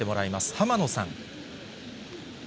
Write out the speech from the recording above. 浜野さん。